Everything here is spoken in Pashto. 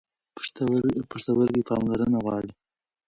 پښتورګي پاملرنه غواړي.